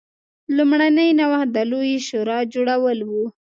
لومړنی نوښت د لویې شورا جوړول و